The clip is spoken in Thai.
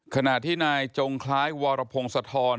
ขณะที่นายจงคล้ายวรพงศธร